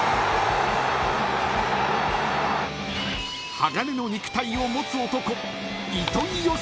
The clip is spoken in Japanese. ［鋼の肉体を持つ男］